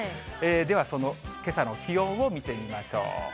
ではそのけさの気温を見てみましょう。